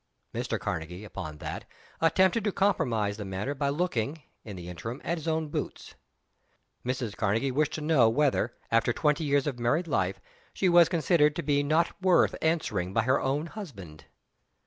Mr. Karnegie, upon that, attempted to compromise the matter by looking, in the interim, at his own boots. Mrs. Karnegie wished to know whether after twenty years of married life, she was considered to be not worth answering by her own husband.